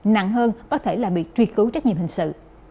nặng hơn có thể là bị truy cứu trách nhiệm hình sự